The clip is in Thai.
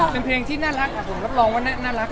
เป็นเพลงที่น่ารักผมรับรองว่าน่ารัก